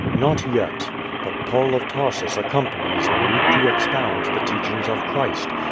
"Not yet. But Paul of Tarsus accompanies me, to expound the teachings of Christ.